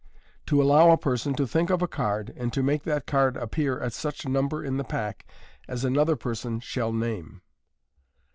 To allow a Person to think op a Card, and to make that Card appear at such Number in the Pack as Another Person shall Name.